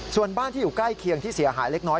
ส่วนบ้านที่อยู่ใกล้เคียงที่เสียหายเล็กน้อย